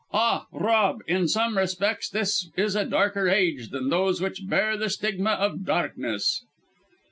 Ah! Rob, in some respects, this is a darker age than those which bear the stigma of darkness."